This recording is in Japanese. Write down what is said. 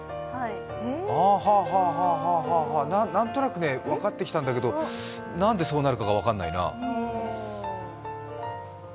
あーあー、なんとなく分かってきたんだけどなんでそうなるかが分かんないな。